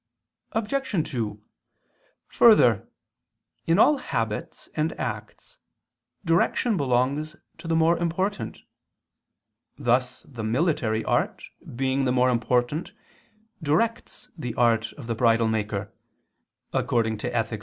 Obj. 2: Further, in all habits and acts, direction belongs to the more important; thus the military art, being the more important, directs the art of the bridle maker [*Ethic.